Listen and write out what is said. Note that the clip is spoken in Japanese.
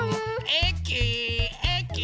えきえき。